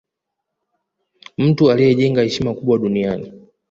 mtu aliye jenga heshima kubwa duniani